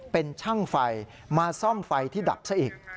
เป็นช่างไฟมาซ่อมไฟที่ดับซะอีก